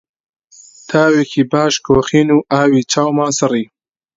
تاوێکی باش کۆخین و ئاوی چاومان سڕی